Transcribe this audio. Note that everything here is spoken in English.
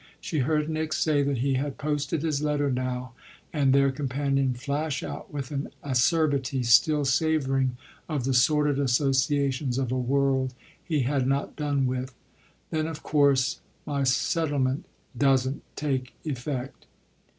She heard Nick say that he had posted his letter now and their companion flash out with an acerbity still savouring of the sordid associations of a world he had not done with: "Then of course my settlement doesn't take effect!"